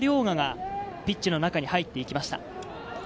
嘉がピッチの中に入っていきました。